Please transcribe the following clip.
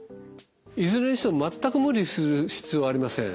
いずれにしても全く無理する必要はありません。